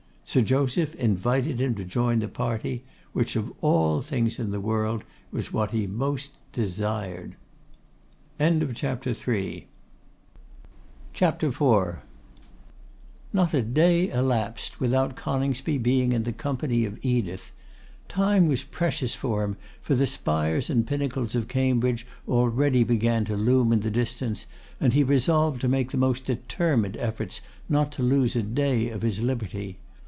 Sir Joseph invited him to join the party, which of all things in the world was what he most desired. CHAPTER IV. Not a day elapsed without Coningsby being in the company of Edith. Time was precious for him, for the spires and pinnacles of Cambridge already began to loom in the distance, and he resolved to make the most determined efforts not to lose a day of his liberty.